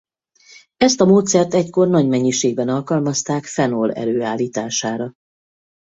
Ezt a módszert egykor nagy mennyiségben alkalmazták fenol előállítására.